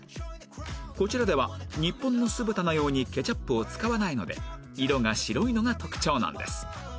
こちらでは日本の酢豚のようにケチャップを使わないので色が白いのが特徴なんです